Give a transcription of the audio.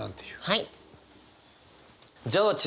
はい。